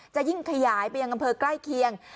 จะยิ่งขยายไปยังอำเภอใกล้เคียง